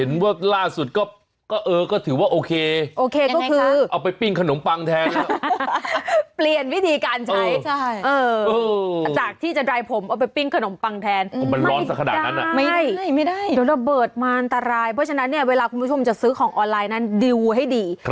โดนระเบิดมีอันตรายฉะนั้นเวลาคุณผู้ชมจะซื้อของออนไลซ์นั้นดูวให้ดี